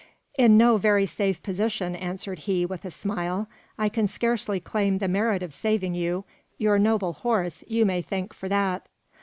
"In no very safe position," answered he, with a smile. "I can scarcely claim the merit of saving you. Your noble horse you may thank for that."